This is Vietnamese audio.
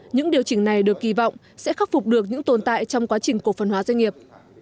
những điều chỉnh này được kỳ vọng sẽ khắc phục được những tồn tại trong quá trình cổ phần hóa doanh nghiệp